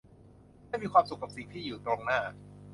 ไม่มีความสุขกับสิ่งที่อยู่ตรงหน้า